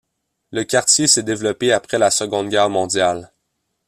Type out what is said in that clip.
Le quartier s'est développé après la Seconde Guerre mondiale.